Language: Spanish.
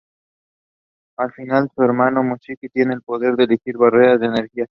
Al igual que su hermano, Mitsuki tiene el poder de erigir barreras de energía.